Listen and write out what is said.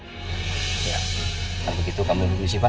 kalau begitu kamu berhenti sih pak